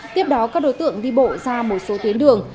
tiếp đó các đối tượng đi bộ ra một số tuyến đường